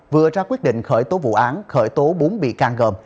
vừa ra quyết định khởi tố vụ án khởi tố bốn bị can gồm